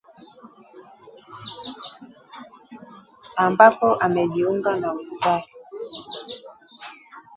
ambapo angejiunga na wenzake